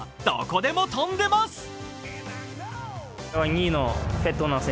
どこでも飛んでます。